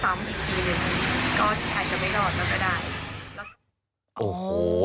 เพราะว่าคิดว่าถ้าได้รับยาพวกนี้ซ้ำอีกทีหนึ่งก็อาจจะไม่รอดแล้วก็ได้